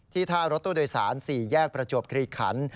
ท่ารถตู้โดยสาร๔แยกประจวบกรีขัน